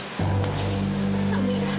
tante pulang dulu ya